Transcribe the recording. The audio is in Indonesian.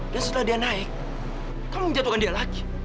dan setelah dia naik kamu menjatuhkan dia lagi